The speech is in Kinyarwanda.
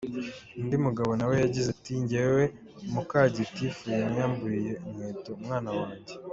Undi mugabo nawe yagize ati “Njyewe muka Gitifu yanyamburiye inkweto umwana wanjye.